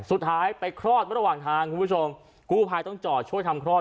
สุดท้ายไปคลอดระหว่างทางคุณผู้ชมกู้ภัยต้องจอดช่วยทำคลอด